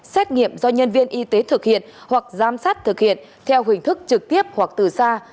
xét nghiệm do nhân viên y tế thực hiện hoặc giám sát thực hiện theo hình thức trực tiếp hoặc từ xa